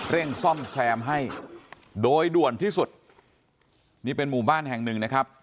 เร่งซ่อมแซมให้โดยด่วนที่สุดมุมบ้านแห่งหนึ่งนะครับ